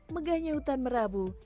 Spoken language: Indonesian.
megahnya hutan merabu